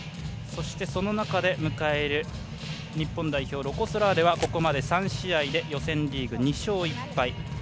その中で迎える日本代表ロコ・ソラーレはここまで３試合で予選リーグ２勝１敗。